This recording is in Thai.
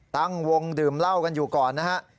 ตั้งวงดื่มเหล้ากันอยู่ก่อนนะฮะ